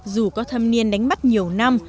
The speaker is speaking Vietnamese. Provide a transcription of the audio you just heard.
dù có thâm niên đánh bắt nhiều năm